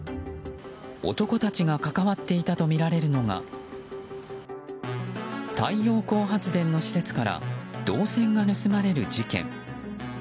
男たちが関わっていたとみられるのが太陽光発電の施設から銅線が盗まれる事件。